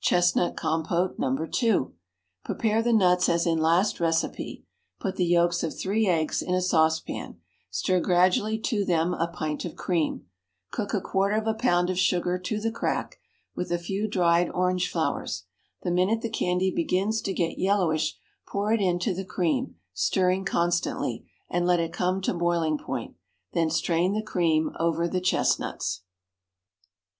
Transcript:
Chestnut Compote No. 2. Prepare the nuts as in last recipe; put the yolks of three eggs in a saucepan; stir gradually to them a pint of cream; cook a quarter of a pound of sugar to the crack, with a few dried orange flowers; the minute the candy begins to get yellowish pour it into the cream, stirring constantly, and let it come to boiling point; then strain the cream over the chestnuts.